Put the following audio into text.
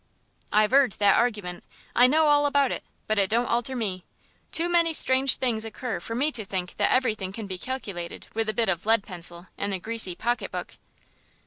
"I've 'eard that argument. I know all about it, but it don't alter me. Too many strange things occur for me to think that everything can be calculated with a bit of lead pencil in a greasy pocket book."